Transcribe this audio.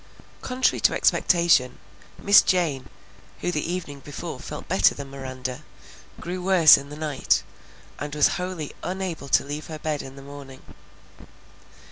Contrary to expectation, Miss Jane, who the evening before felt better than Miranda, grew worse in the night, and was wholly unable to leave her bed in the morning.